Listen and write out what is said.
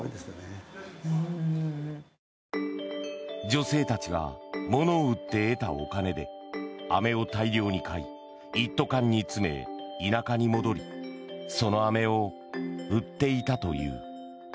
女性たちが、ものを売って得たお金で飴を大量に買い一斗缶に詰め、田舎に戻りその飴を売っていたという。